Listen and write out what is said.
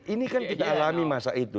ini kan kita alami masa itu